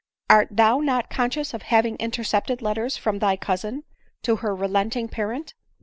— Art thou not conscious of having intercepted letters from thy cousin, to her relenting parent